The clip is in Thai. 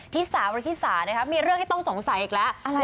ที่สาวริธิสานะครับมีเรื่องให้ต้องสงสัยอีกแล้ว